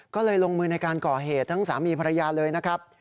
ก็เลยลงมือในการก่อเหตุทั้งสามีภรรยาเลยนะครับ